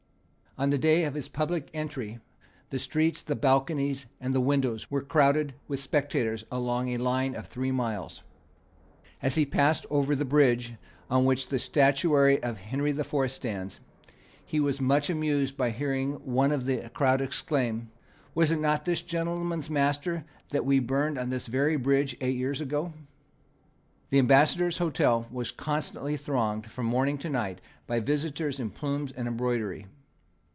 On the day of his public entry the streets, the balconies, and the windows were crowded with spectators along a line of three miles. As he passed over the bridge on which the statue of Henry IV. stands, he was much amused by hearing one of the crowd exclaim: "Was it not this gentleman's master that we burned on this very bridge eight years ago?" The Ambassador's hotel was constantly thronged from morning to night by visitors in plumes and embroidery.